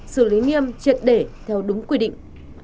xử lý nghiêm triệt để theo đúng quy định